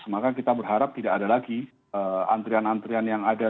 maka kita berharap tidak ada lagi antrian antrian yang ada